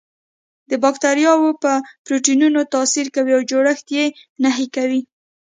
د باکتریاوو په پروتینونو تاثیر کوي او جوړښت یې نهي کوي.